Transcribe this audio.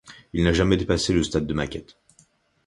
Il n'a jamais dépassé le stade de maquette.